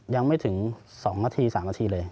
ยังไม่ถึง๒นาที๓นาทีเลย